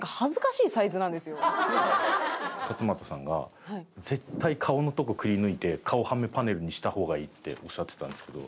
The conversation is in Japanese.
勝俣さんが「絶対顔のとこくりぬいて顔はめパネルにした方がいい」っておっしゃってたんですけど。